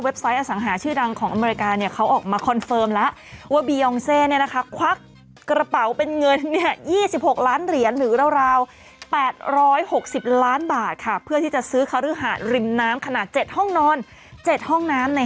อันนี้ก็คือเคยให้ข้อมูลไปแล้วว่าเสื้อที่กติกใส่มันคือเสื้อของแตงโม